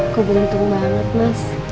aku beruntung banget mas